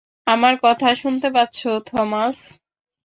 আমার কথা শুনতে পাচ্ছো, থমাস?